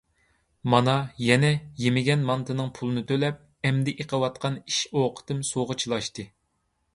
مانا يەنە يېمىگەن مانتىنىڭ پۇلىنى تۆلەپ، ئەمدى ئېقىۋاتقان ئىش-ئوقىتىم سۇغا چىلاشتى.